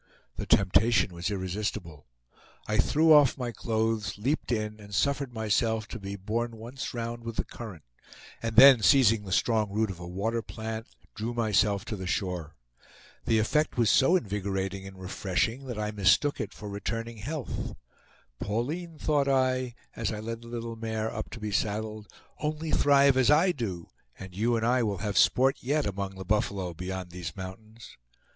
The temptation was irresistible. I threw off my clothes, leaped in, suffered myself to be borne once round with the current, and then, seizing the strong root of a water plant, drew myself to the shore. The effect was so invigorating and refreshing that I mistook it for returning health. "Pauline," thought I, as I led the little mare up to be saddled, "only thrive as I do, and you and I will have sport yet among the buffalo beyond these mountains."